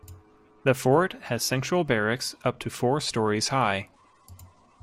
The fort has central barracks up to four stories high.